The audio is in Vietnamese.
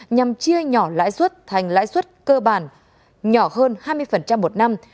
nhằm chia nhỏ lãi suất thành lãi suất cơ bản nhỏ hơn hai mươi một năm